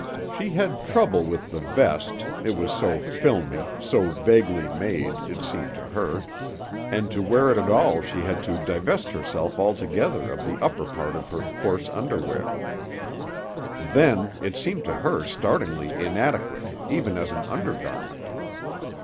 She had trouble with the vest, it was so filmy, so vaguely made, it seemed to her, and to wear it at all she had to divest herself altogether of the upper part of her coarse underwear. Then it seemed to her startlingly inadequate even as an undergarment.